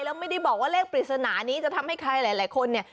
แล้วไม่ได้บอกว่าเลขปริศนานี้จะทำให้ใครหลายคนเนี่ย